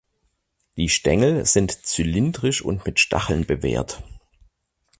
Die Stängel sind zylindrisch und mit Stacheln bewehrt.